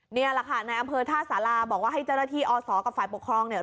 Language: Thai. นี่แหละค่ะในอำเภอท่าสาราบอกว่าให้เจ้าหน้าที่อศกับฝ่ายปกครองเนี่ย